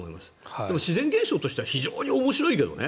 でも自然現象としては非常に面白いけどね。